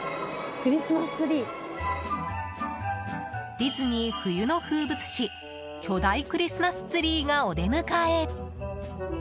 ディズニー冬の風物詩巨大クリスマスツリーがお出迎え。